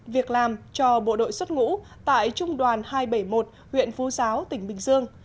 việc làm cho bộ đội xuất ngũ tại trung đoàn hai trăm bảy mươi một huyện phú giáo tỉnh bình dương